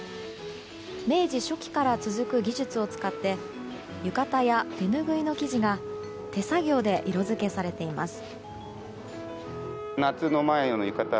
明治初期から続く技術を使って浴衣や手ぬぐいの生地が手作業で色付けされています。